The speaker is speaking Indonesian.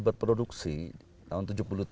berproduksi tahun tujuh puluh tiga tujuh puluh empat